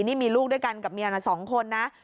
นี่มีลูกด้วยกันกับเมียนะ๒คนนะ